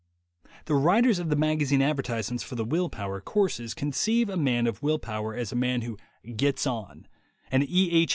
The writers of the magazine advertisements for the will power courses conceive a man of will power as a man who "gets on," an E. H.